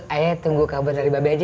ayo tunggu kabar dari babe aja